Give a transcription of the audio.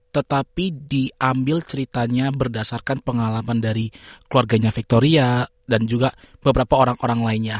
tetapi diambil ceritanya berdasarkan pengalaman dari keluarganya victoria dan juga beberapa orang orang lainnya